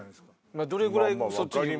まぁどれぐらいそっちに。